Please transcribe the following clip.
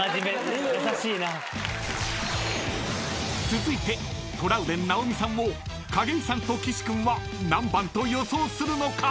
［続いてトラウデン直美さんを景井さんと岸君は何番と予想するのか？］